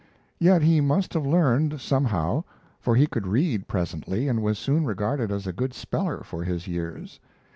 Yet he must have learned, somehow, for he could read presently and was soon regarded as a good speller for his years.